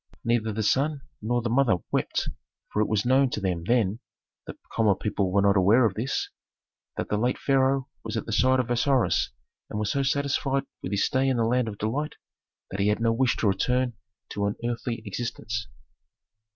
Neither the son nor the mother wept, for it was known to them then (the common people were not aware of this), that the late pharaoh was at the side of Osiris and was so satisfied with his stay in the land of delight that he had no wish to return to an earthly existence.